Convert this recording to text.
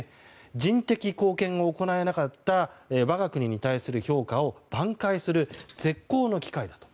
人的貢献を行えなかった我が国に対する評価を挽回する絶好の機会だと。